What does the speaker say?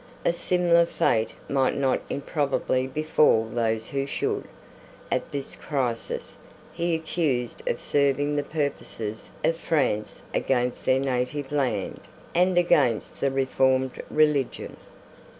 A similar fate might not improbably befall those who should, at this crisis, be accused of serving the purposes of France against their native land, and against the reformed religion.